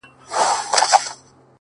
چي ستا له سونډو نه خندا وړي څوك!!